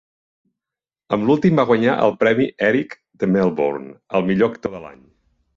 Amb l'últim va guanyar el Premi Erik de Melbourne al millor actor de l'any.